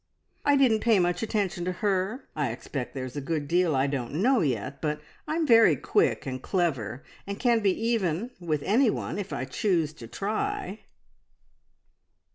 "I didn't pay much attention to her. I expect there's a good deal I don't know yet, but I'm very quick and clever, and can be even with anyone if I choose to try."